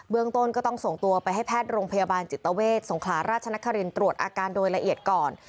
ต้นก็ต้องส่งตัวไปให้แพทย์โรงพยาบาลจิตเวทสงขลาราชนครินตรวจอาการโดยละเอียดก่อน